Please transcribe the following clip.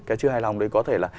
cái chưa hài lòng đấy có thể là